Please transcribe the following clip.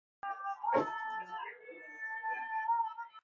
زندگی شرافت مندانه